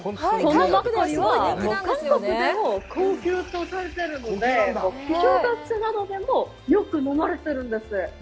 生マッコリは韓国でも高級とされてるので、お正月などでもよく飲まれてるんです。